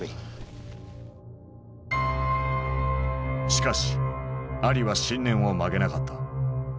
しかしアリは信念を曲げなかった。